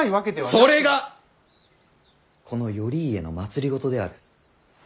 それがこの頼家の政である。